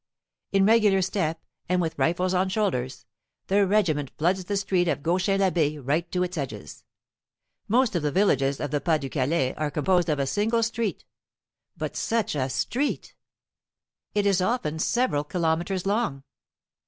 In regular step and with rifles on shoulders, the regiment floods the street of Gauchin l'Abbe right to its edges. Most of the villages of the Pas du Calais are composed of a single street, but such a street! It is often several kilometers long.